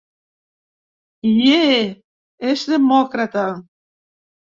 Yee és demòcrata.